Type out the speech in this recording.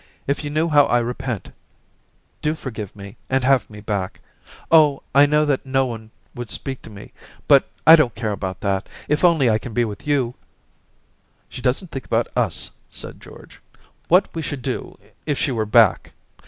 If you knew how I repent / Do forgive me and have me back. Oh, I know that no one would speak to m^ ; but I dont care about that, if I can only be with you !'* She doesn't think about us/ said George —* what we should do if she was back.